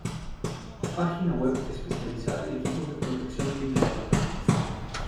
Página web especializada en equipos de protección individual.